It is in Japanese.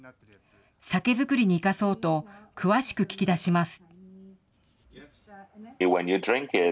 酒造りに生かそうと、詳しく聞き出します。